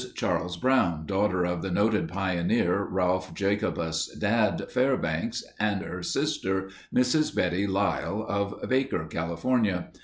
Charles Brown, daughter of the noted pioneer, Ralph Jacobus (Dad) Fairbanks and her sister, Mrs. Bettie Lisle, of Baker, California.